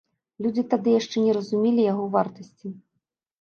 Людзі тады яшчэ не разумелі яго вартасці.